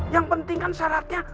yang penting kan syaratnya